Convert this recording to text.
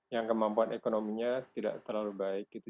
yang kemampuan ekonominya tidak terlalu baik gitu